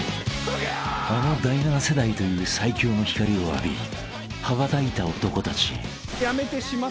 ［あの第７世代という最強の光を浴び羽ばたいた男たち］